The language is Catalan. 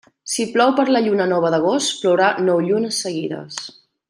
Si plou per la lluna nova d'agost, plourà nou llunes seguides.